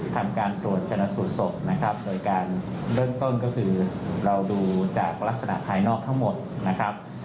ทำการตรวจชนะสูตรศพนะครับโดยการเริ่มต้นก็คือเราดูจากลักษณะภายนอกทั้งหมดนะครับ